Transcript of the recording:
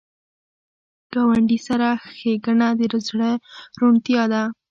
ګاونډي سره ښېګڼه د زړه روڼتیا ده